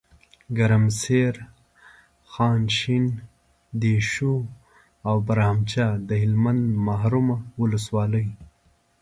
ګرمسیر، خانشین، دیشو او بهرامچه دهلمند محرومه ولسوالۍ